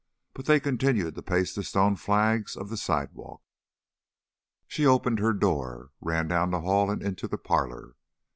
But they continued to pace the stone flags of the sidewalk. She opened her door, ran down the hall and into the parlor.